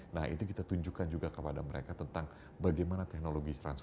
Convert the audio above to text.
nah itu kita tunjukkan juga kepada mereka tentang bagaimana teknologi